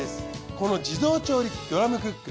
この自動調理器ドラムクック